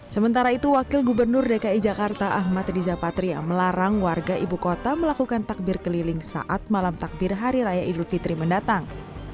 sementara itu wakil gubernur dki jakarta ahmad riza patria melarang warga ibu kota melakukan takbir keliling saat malam takbir hari raya idul fitri mendatang